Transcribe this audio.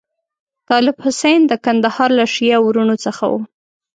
طالب حسین د کندهار له شیعه وروڼو څخه وو.